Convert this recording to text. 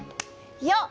よっ！